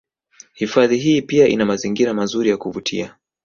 Hifadhi hii pia ina mazingira mazuri ya kuvutia